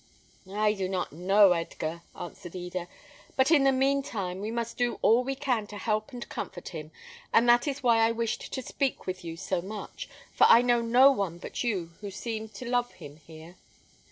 "I do not know, Edgar," answered Eda; "but in the mean time we must do all we can to help and comfort him; and that is why I wished to speak with you so much, for I know no one but you who seem to love him here."